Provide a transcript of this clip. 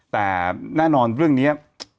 แต่แน่นอนเรื่องนี้